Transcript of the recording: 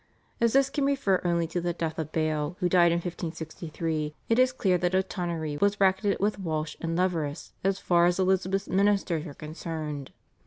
" As this can refer only to the death of Bale, who died in 1563, it is clear that O'Tonory was bracketed with Walsh and Leverous as far as Elizabeth's ministers were concerned.